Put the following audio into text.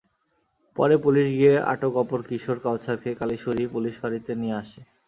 পরে পুলিশ গিয়ে আটক অপর কিশোর কাওছারকে কালিশুরী পুলিশ ফাঁড়িতে নিয়ে আসে।